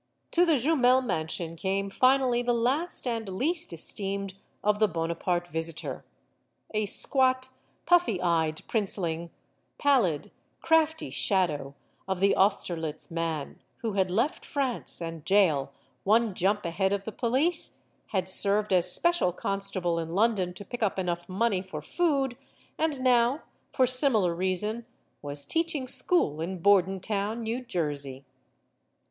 To the Jumel mansion came finally the last and least esteemed of the Bonaparte visitor; a squat, puffy eyed princeling pallid, crafty shadow of the Auster 102 STORIES OF THE SUPER WOMEN litz Man who had left France and jail one jump ahead of the police, had served as special constable in London to pick up enough money for food, and now for similar reason was teaching school in Borden town, New Jersey.